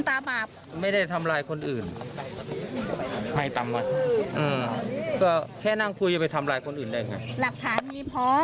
เข้าไปในห้องยังไง